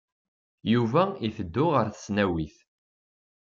Yuba iteddu ɣer tesnawit.